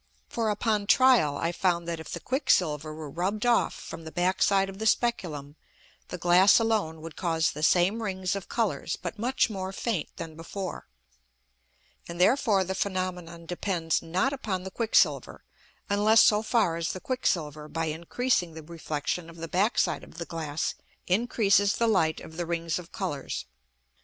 For, upon trial, I found that if the Quick silver were rubb'd off from the backside of the Speculum, the Glass alone would cause the same Rings of Colours, but much more faint than before; and therefore the Phænomenon depends not upon the Quick silver, unless so far as the Quick silver by increasing the Reflexion of the backside of the Glass increases the Light of the Rings of Colours.